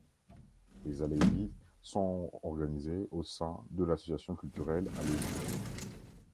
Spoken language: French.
Les Alevis sont organisés au sein de l'Association culturelle alévie.